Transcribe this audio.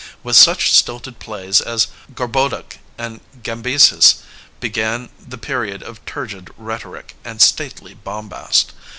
With such stilted plays as Gorboduc and Gambyses began the period of turgid rhetoric and stately bombast.